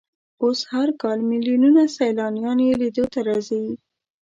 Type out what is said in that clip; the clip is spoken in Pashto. اوس هر کال ملیونونه سیلانیان یې لیدو ته راځي.